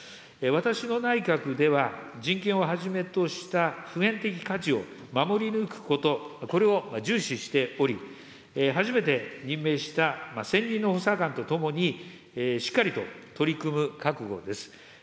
私の内閣では、人権をはじめとした普遍的価値を守り抜くこと、これを重視しており、初めて任命した専任の補佐官と共に、しっかりと取り組む覚悟です。